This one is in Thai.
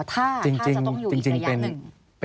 สวัสดีค่ะที่จอมฝันครับ